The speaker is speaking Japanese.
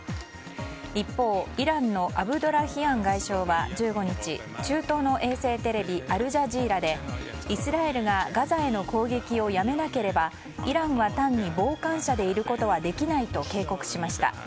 一方、イランのアブドラヒアン外相は１５日、中東の衛星テレビアルジャジーラでイスラエルがガザへの攻撃をやめなければイランは単に傍観者でいることはできないと警告しました。